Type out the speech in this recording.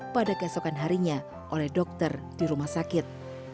pada keesokan harinya oleh dokter di rumah sakit